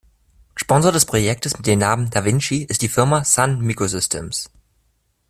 Sponsor des Projektes mit dem Namen "Da Vinci" ist die Firma "Sun Microsystems".